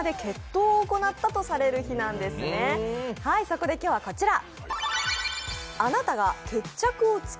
そこで今日はこちら。